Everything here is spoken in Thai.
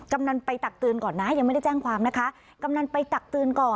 กำนันต์ไปตักตืนก่อนนะยังไม่ได้แจ้งความนะคะ